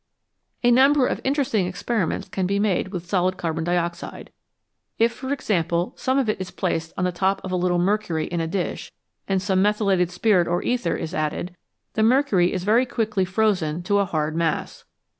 A number of interesting experiments can be made with solid carbon dioxide ; if, for example, some of it is placed on the top of a little mercury in a dish, and some methylated spirit or ether is added, the mercury is very quickly frozen to a hard mass.